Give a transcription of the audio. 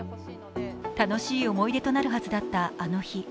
楽しい思い出となるはずだったあの日。